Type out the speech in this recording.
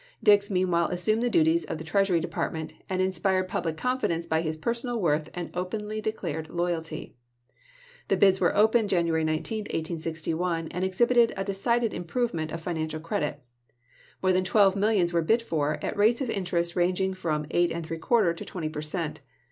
Dix meanwhile assumed the duties of the Treasury Department, and in spired public confidence by his personal worth and openly declared loyalty. The bids were opened January 19, 1861, and exhibited a decided im provement of financial credit. More than twelve millions were bid for, at rates of interest ranging from 8f to 20 per cent.